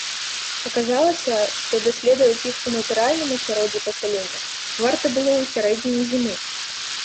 Аказалася, што даследаваць іх у натуральным асяроддзі пасялення варта было ў сярэдзіне зімы.